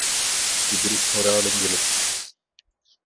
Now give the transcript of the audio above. ഇതില് ഒരാളെങ്കിലും